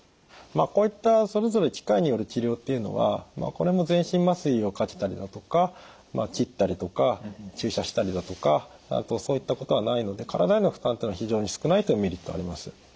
こういったそれぞれ機械による治療っていうのはこれも全身麻酔をかけたりだとか切ったりとか注射したりだとかそういったことはないので体への負担というのは非常に少ないというメリットはあります。